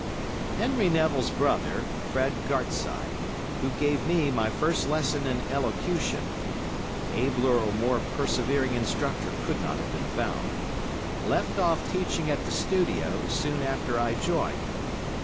Henry Neville's brother, Fred Gartside, who gave me my first lesson in elocution—an abler or more persevering instructor could not have been found—left off teaching at the Studio soon after I joined.